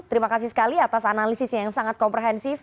terima kasih sekali atas analisisnya yang sangat komprehensif